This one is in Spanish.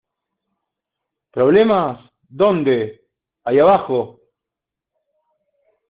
¿ Problemas, dónde? ¡ ahí abajo!